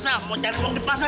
sah mau cari uang di pasar